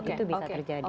itu bisa terjadi